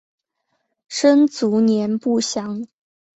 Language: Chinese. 生卒年不详。